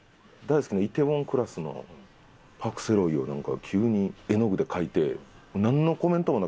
大好きな『梨泰院クラス』のパク・セロイを急に絵の具で描いて。